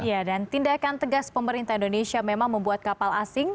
ya dan tindakan tegas pemerintah indonesia memang membuat kapal asing